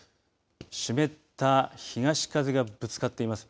湿った東風がぶつかっています。